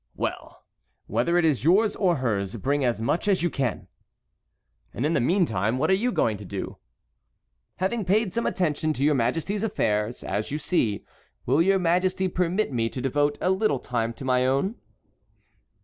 "Well! whether it is yours or hers, bring as much as you can." "And in the meantime what are you going to do?" "Having paid some attention to your majesty's affairs, as you see, will your majesty permit me to devote a little time to my own?"